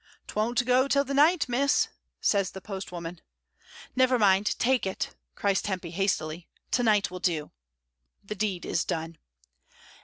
"TVoan't go till the night, miss," says the post woman. 2* 20 MRS. DYMOND. "Never mind, take it," cries Tempy hastily. "To night will do." The deed is done.